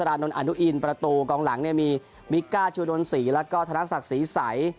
รานนท์อนุอินประตูกองหลังเนี่ยมีมิกก้าชูดนศรีแล้วก็ธนศักดิ์ศรีใส